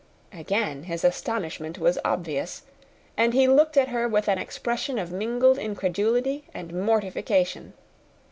Again his astonishment was obvious; and he looked at her with an expression of mingled incredulity and mortification.